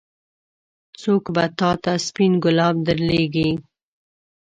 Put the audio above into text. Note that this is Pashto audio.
څوک به تا ته سپين ګلاب درلېږي.